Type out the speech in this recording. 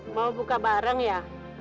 mau buka barang ya